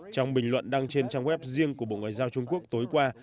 trong bình luận đăng trên trang web riêng của bộ ngoại giao trung quốc tối qua